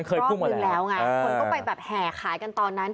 คนก็ไปแห่ขายกันตอนนั้น